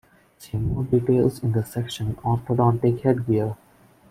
See more details in the section Orthodontic headgear.